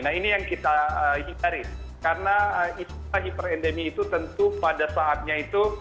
nah ini yang kita hindari karena istilah hiperendemi itu tentu pada saatnya itu